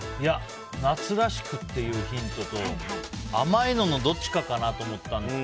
夏らしくというヒントと甘いののどっちかかなと思ったんです。